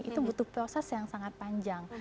itu butuh proses yang sangat panjang